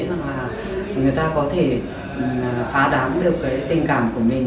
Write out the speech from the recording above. rằng là người ta có thể phá đám được cái tình cảm của mình